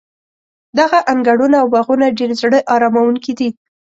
دغه انګړونه او باغونه ډېر زړه اراموونکي دي.